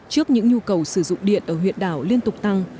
trước những nhu cầu sử dụng điện ở huyện đảo liên tục tăng